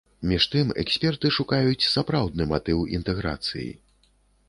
Між тым, эксперты шукаюць сапраўдны матыў інтэграцыі.